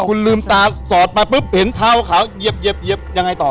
คุณลืมตาสอดมาปุ๊บเห็นเท้าขาวเหยียบยังไงต่อ